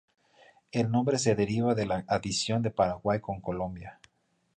El nombre se deriva de la adición de Paraguay con Colombia.